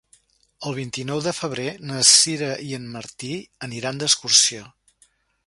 El vint-i-nou de febrer na Sira i en Martí aniran d'excursió.